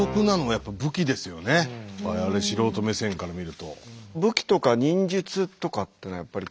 我々素人目線から見ると。